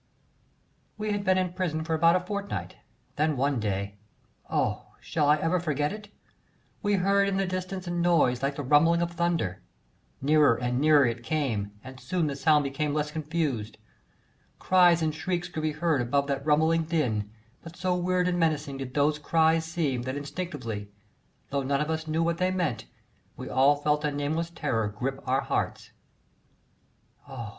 We had been in prison for about a fortnight, then one day oh! shall I ever forget it? we heard in the distance a noise like the rumbling of thunder; nearer and nearer it came, and soon the sound became less confused. Cries and shrieks could be heard above that rumbling din, but so weird and menacing did those cries seem, that instinctively though none of us knew what they meant we all felt a nameless terror grip our hearts. Oh!